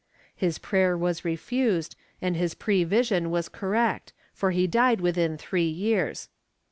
His prayer was refused and his prevision was correct, for he died within three years.